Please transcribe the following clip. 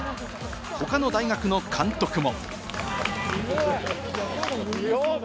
他の大学の監督も。